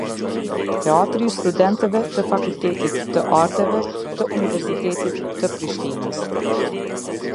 Teatri i Studentëve të Fakultetit të Arteve të Universitetit të Prishtinës.